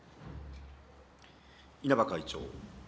稲葉会長。